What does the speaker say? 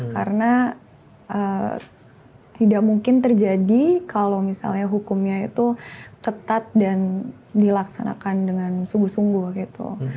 karena tidak mungkin terjadi kalau misalnya hukumnya itu ketat dan dilaksanakan dengan sungguh sungguh gitu